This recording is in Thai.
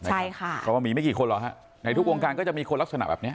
ใช่ค่ะเพราะว่ามีไม่กี่คนหรอกฮะในทุกวงการก็จะมีคนลักษณะแบบนี้